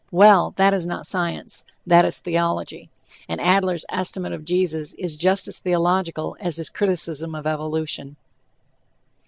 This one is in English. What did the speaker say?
Well, that is not science; that is theology, and Adler's estimate of Jesus is just as theological as his criticism of evolution.